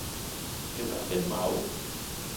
Te trapes mau?